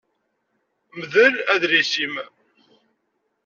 Mdel adlis-im.